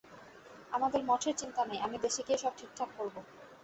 আমাদের মঠের চিন্তা নাই, আমি দেশে গিয়ে সব ঠিকঠাক করব।